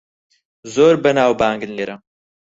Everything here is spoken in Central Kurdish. زۆر بەناوبانگن لێرە.